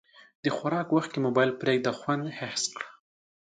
د خوراک وخت کې موبایل پرېږده، خوند حس کړه.